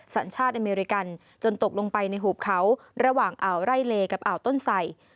สัญชาติอเมริกันจนตกลงไปในหุบเขาระหว่างอ่าวไร่เลกับอ่าวต้นไส